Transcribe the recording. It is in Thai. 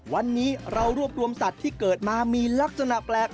วันนี้เรารวบรวมสัตว์ที่เกิดมามีลักษณะแปลก